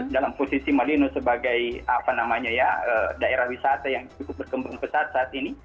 dalam posisi malino sebagai daerah wisata yang cukup berkembang pesat saat ini